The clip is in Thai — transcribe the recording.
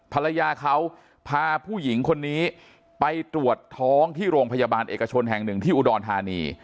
ภรรยาเขาพาผู้หญิงคนนี้ไปตรวจท้องที่โรงพยาบาลเอกชนแห่งหนึ่งที่อุดรธานี